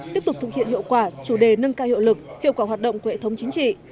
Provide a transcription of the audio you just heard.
tiếp tục thực hiện hiệu quả chủ đề nâng cao hiệu lực hiệu quả hoạt động của hệ thống chính trị